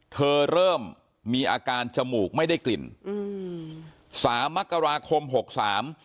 เริ่มมีอาการจมูกไม่ได้กลิ่นอืมสามมกราคมหกสาม